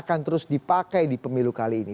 akan terus dipakai di pemilu kali ini